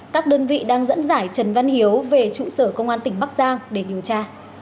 các đơn vị đang dẫn dải trần văn hiếu về trụ sở công an tỉnh bắc giang để điều tra